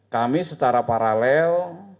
kami secara paralel